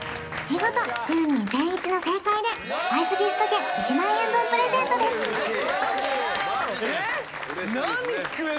見事１０人全員一致の正解でアイスギフト券１万円分プレゼントですマジ？